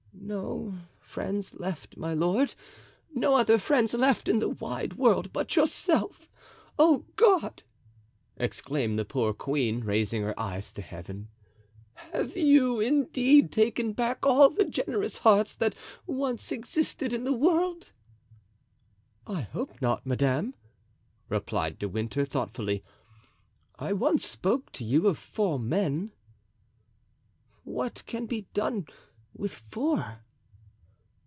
"No friends left, my lord; no other friends left in the wide world but yourself! Oh, God!" exclaimed the poor queen, raising her eyes to Heaven, "have You indeed taken back all the generous hearts that once existed in the world?" "I hope not, madame," replied De Winter, thoughtfully; "I once spoke to you of four men." "What can be done with four?"